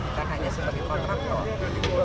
bukan hanya sebagai kontraktor